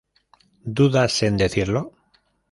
dudas en decirlo